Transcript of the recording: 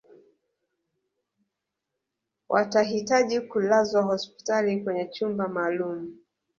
watahitaji kulazwa hospitali kwenye chumba maalum